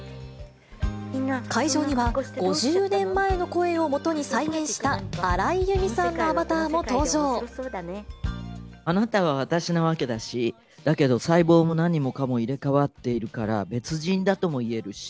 会場には５０年前の声を元に再現した荒井由実さんのアバターあなたは私なわけだし、だけど細胞も何もかも入れ代わっているから、別人だともいえるし。